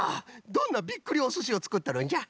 どんなびっくりおすしをつくっとるんじゃ？